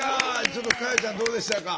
ちょっと佳代ちゃんどうでしたか？